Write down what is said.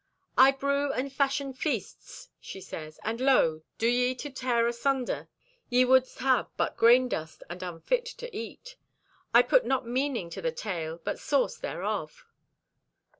"I brew and fashion feasts," she says, "and lo, do ye to tear asunder, thee wouldst have but grain dust and unfit to eat. I put not meaning to the tale, but source thereof."